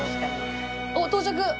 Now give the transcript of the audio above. おっ到着！